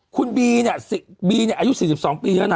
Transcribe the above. คุณบีเนี่ยบีเนี่ยอายุ๔๒ปีแล้วนะ